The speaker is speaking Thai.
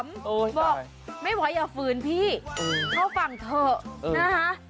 บอกไม่ไหวอย่าฝืนพี่เข้าฝั่งเถอะนะคะ